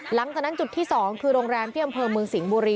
หลังจากนั้นจุดที่๒คือโรงแรมที่อำเภอเมืองสิงห์บุรี